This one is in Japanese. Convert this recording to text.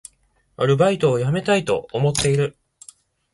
アルバイトを辞めたいと思っている